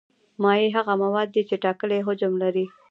مایع هغه مواد دي چې ټاکلی حجم لري.